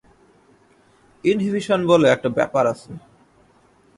Inhibition বলে একটা ব্যাপার আছে।